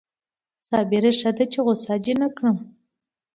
صابره ښه ده چې غصه دې نه کړم